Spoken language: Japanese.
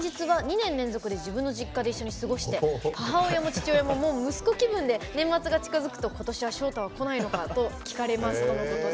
自分の実家で一緒に過ごして母親も父親ももう息子気分で年末が近づくと今年はＳｈｏｔａは来ないのかと聞かれる。